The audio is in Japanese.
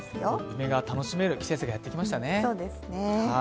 梅が楽しめる季節がやってきましたね。